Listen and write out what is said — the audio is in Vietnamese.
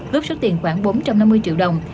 bước số tiền khoảng bốn trăm năm mươi triệu đồng